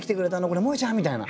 これもえちゃん？みたいな。